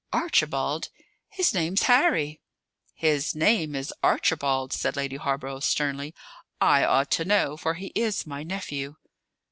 "Archibald! His name's Harry!" "His name is Archibald," said Lady Hawborough sternly. "I ought to know; for he is my nephew."